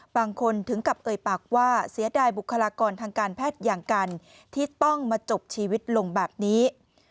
ถึงกับเอ่ยปากว่าเสียดายบุคลากรทางการแพทย์อย่างกันที่ต้องมาจบชีวิตลงแบบนี้